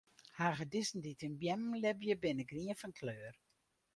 Hagedissen dy't yn beammen libje, binne grien fan kleur.